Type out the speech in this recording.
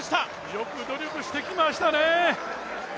よく努力しましたね。